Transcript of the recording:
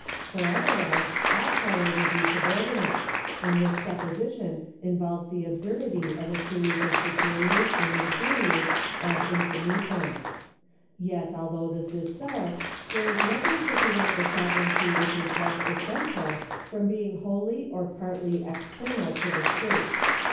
For otherwise all power would be subordinate, and this supposition involves the absurdity of a series of superiors and inferiors ad infinitum. Yet although this is so, there is nothing to prevent the sovereignty which is thus essential from being wholly or partly external to the state.